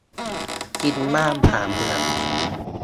กินบ้านผ่านเมือง